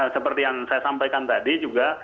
seperti yang saya sampaikan tadi juga